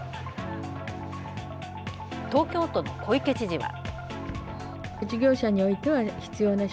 東京都の小池知事は。